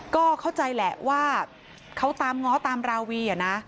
ก็เข้าใจแหละว่าเขาตามง้อตามราวี